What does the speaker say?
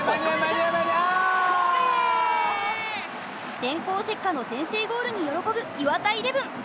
電光石火の先制ゴールに喜ぶ磐田イレブン。